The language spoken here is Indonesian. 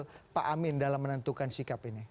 apa yang bisa pak amin dalam menentukan sikap ini